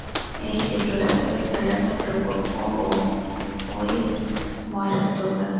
এই যে প্রসাবের ব্যারামের প্রকোপ, ও-ও ঐ ময়রার দোকান।